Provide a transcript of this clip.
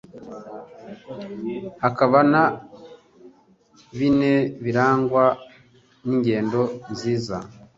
hakaba na bine birangwa n’ingendo nziza